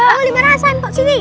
oh lima rasanya mbak siti